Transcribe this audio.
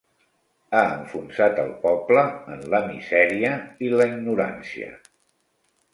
Ha enfonsat el poble en la misèria i la ignorància.